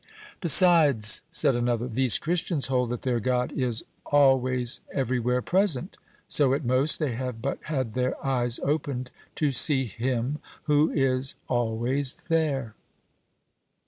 "Besides," said another, "these Christians hold that their God is always every where present; so, at most, they have but had their eyes opened to see Him who is always there!"